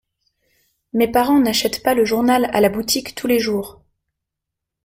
Mes parents n’achètent pas le journal à la boutique tous les jours.